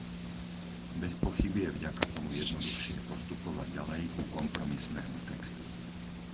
Bezpochyby je vďaka tomu jednoduchšie postupovať ďalej ku kompromisnému textu.